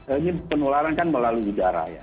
ini penularan kan melalui udara ya